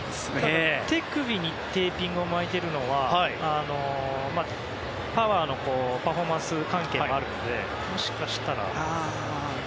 手首にテーピングを巻いているのはパフォーマンスの関係もあるので、もしかしたら。